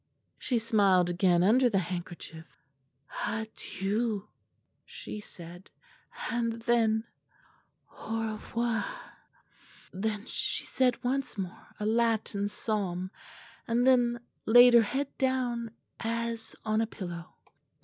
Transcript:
She smiled again under the handkerchief. 'Adieu,' she said, and then, 'Au revoir.' "Then she said once more a Latin psalm, and then laid her head down, as on a pillow.